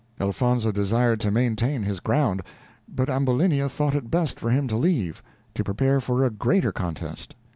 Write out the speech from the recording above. Elfonzo desired to maintain his ground, but Ambulinia thought it best for him to leave, to prepare for a greater contest.